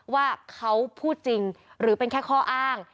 ว่าเขาพูดจริงหรือเป็นแค่ข้ออ้าง